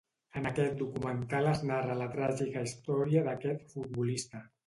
En aquest documental es narra la tràgica històrica d'aquest futbolista.